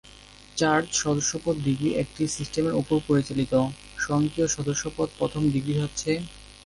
Church সদস্যপদ degree একটি সিস্টেমের উপর পরিচালিত, সক্রিয় সদস্যপদ প্রথম ডিগ্রী হচ্ছে।